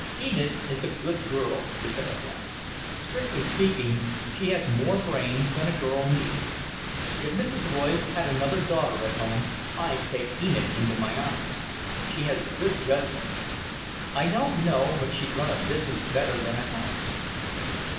"Enid is a good girl," he said at last. "Strictly speaking, she has more brains than a girl needs. If Mrs. Royce had another daughter at home, I'd take Enid into my office. She has good judgment. I don't know but she'd run a business better than a house."